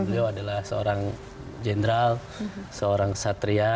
beliau adalah seorang jenderal seorang satria